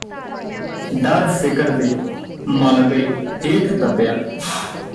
ਡਰ ਫਿਕਰ ਦੇ ਮਲਬੇ ਹੇਠ ਦੱਬਿਆ